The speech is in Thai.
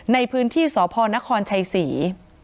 ในพื้นที่ศพนครไชรสี